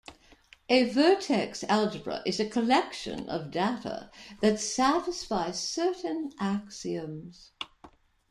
A vertex algebra is a collection of data that satisfy certain axioms.